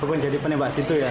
ataupun jadi penembak situ ya